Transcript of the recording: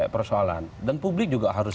persoalan dan publik juga harus